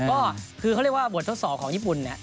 ก็คือเขาเรียกว่าบททดสอบของญี่ปุ่นเนี่ย